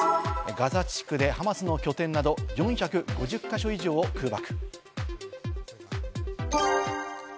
ガザ地区でハマスの拠点など４５０か所以上を空爆。